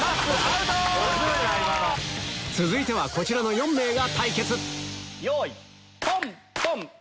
続いてはこちらの４名が対決よい。